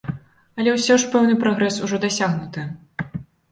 Але ўсё ж пэўны прагрэс ужо дасягнуты.